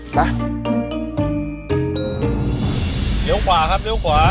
สวัสดีครับ